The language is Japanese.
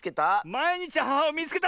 「まいにちアハハをみいつけた！」